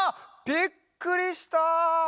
びっくりした！